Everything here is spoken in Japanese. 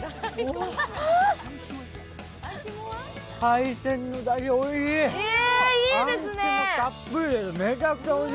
海鮮のだし、おいしい。